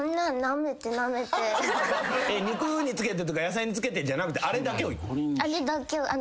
肉に付けてとか野菜に付けてじゃなくてあれだけをいくの？